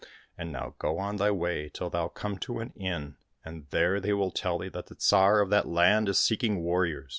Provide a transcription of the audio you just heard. And now go on thy way till thou come to an inn, and there they will tell thee that the Tsar of that land is seeking warriors.